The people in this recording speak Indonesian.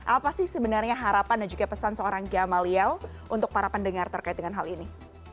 apa sih sebenarnya harapan dan juga pesan seorang gamaliel untuk para pendengar terkait dengan hal ini